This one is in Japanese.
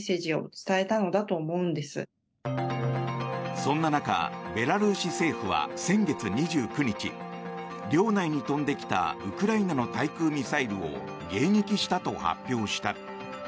そんな中、ベラルーシ政府は先月２９日領内に飛んできたウクライナの対空ミサイルを迎撃したと発表した。